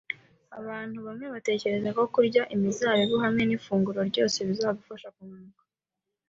Abantu bamwe batekereza ko kurya imizabibu hamwe nifunguro ryose bizagufasha kunanuka